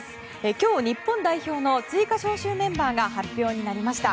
今日、日本代表の追加招集メンバーが発表になりました。